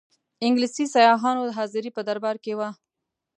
انګلیسي سیاحانو حاضري په دربار کې وه.